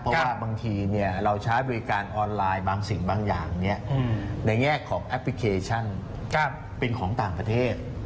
เพราะว่าบางทีเราใช้บริการออนไลน์บางสิ่งบางอย่างในแง่ของแอปพลิเคชันเป็นของต่างประเทศ